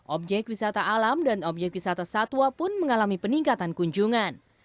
objek wisata alam dan objek wisata satwa pun mengalami peningkatan kunjungan